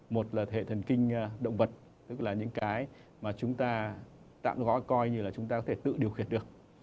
một là hệ thần kinh động vật tức là những cái mà chúng ta tạo gói coi như là chúng ta có thể tự điều khiển được